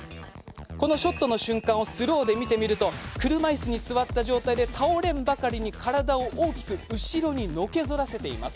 このショットの瞬間をスローで見てみると車いすに座った状態で倒れんばかりに体を大きく後ろにのけぞらせています。